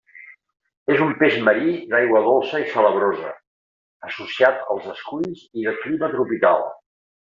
És un peix marí, d'aigua dolça i salabrosa; associat als esculls i de clima tropical.